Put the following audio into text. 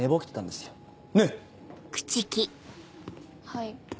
はい。